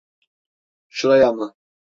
Şuraya mı?